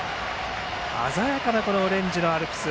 鮮やかなオレンジのアルプス。